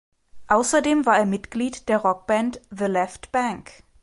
Außerdem war er Mitglied der Rockband The Left Banke.